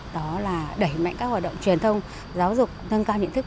đó là đẩy mạnh các hoạt động truyền thông giáo dục nâng cao nhận thức